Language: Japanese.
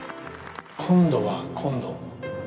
今度は、今度。